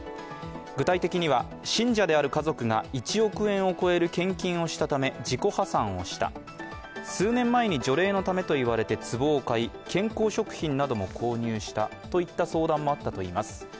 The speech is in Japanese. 具体的には、信者である家族が１億円を超える献金をしたため自己破産をした、数年前に除霊のためと言われてつぼを買い健康食品なども購入したといった相談もあったといいます。